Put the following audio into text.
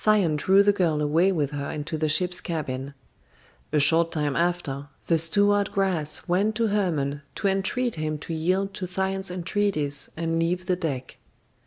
Thyone drew the girl away with her into the ship's cabin. A short time after, the steward Gras went to Hermon to entreat him to yield to Thyone's entreaties and leave the deck.